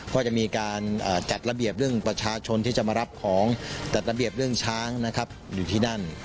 ก็จะมีการจัดระเบียบเรื่องประชาชนที่จะมารับของจัดระเบียบเรื่องช้างนะครับอยู่ที่นั่น